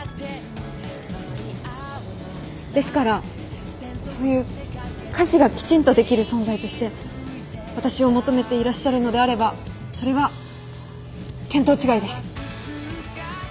ですからそういう家事がきちんとできる存在として私を求めていらっしゃるのであればそれは見当違いです。